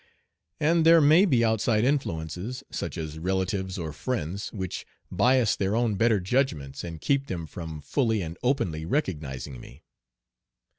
And there may be outside influences, such as relatives or friends, which bias their own better judgments and keep them from fully and openly recognizing me.